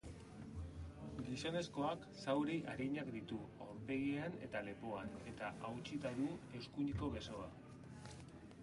Gizonezkoak zauri arinak ditu aurpegian eta lepoan, eta hautsita du eskuineko besoa.